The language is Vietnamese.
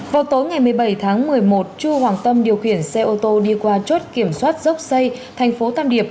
vào tối ngày một mươi bảy tháng một mươi một chu hoàng tâm điều khiển xe ô tô đi qua chốt kiểm soát dốc xây thành phố tam điệp